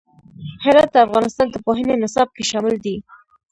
هرات د افغانستان د پوهنې نصاب کې شامل دي.